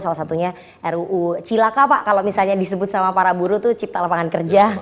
salah satunya ruu cilaka pak kalau misalnya disebut sama para buruh itu cipta lapangan kerja